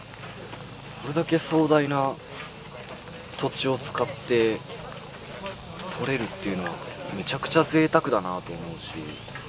これだけ壮大な土地を使って撮れるっていうのはめちゃくちゃぜいたくだなと思うし。